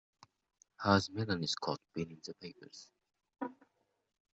Has Melanie Scott been in the papers?